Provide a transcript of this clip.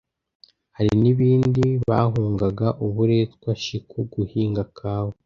Hari n'ibindi bahungaga: uburetwa, shiku, guhinga kawa